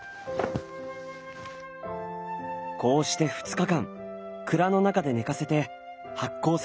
こうして２日間蔵の中で寝かせて発酵させます。